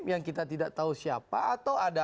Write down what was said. yang kita tidak tahu siapa atau ada